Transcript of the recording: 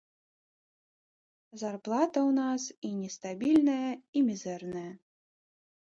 Зарплата ў нас і нестабільная, і мізэрная.